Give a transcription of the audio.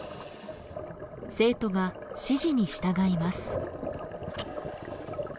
生徒が指示に従います。